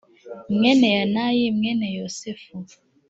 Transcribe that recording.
mwene yanayi mwene yosefu